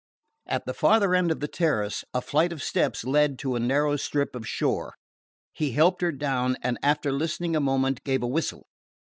At the farther end of the terrace a flight of steps led to a narrow strip of shore. He helped her down and after listening a moment gave a whistle.